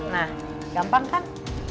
nah gampang kan